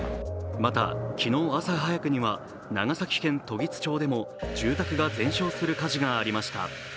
また昨日朝早くには長崎県時津町でも住宅が全焼する火事がありました。